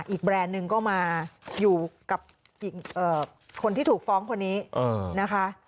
แบรนด์หนึ่งก็มาอยู่กับคนที่ถูกฟ้องคนนี้นะคะ